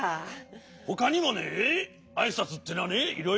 ほかにもねあいさつってのはねいろいろあってね